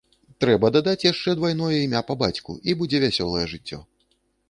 Гэта трэба дадаць яшчэ двайное імя па бацьку, і будзе вясёлае жыццё.